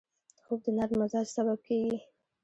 خوب د نرم مزاج سبب کېږي